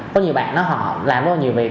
có nhiều bạn đó họ làm rất là nhiều việc